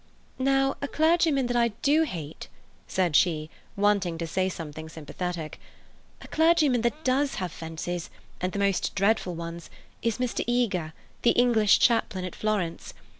"Now, a clergyman that I do hate," said she wanting to say something sympathetic, "a clergyman that does have fences, and the most dreadful ones, is Mr. Eager, the English chaplain at Florence.